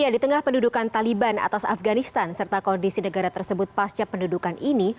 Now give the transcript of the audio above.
di tengah pendudukan taliban atas afganistan serta kondisi negara tersebut pasca pendudukan ini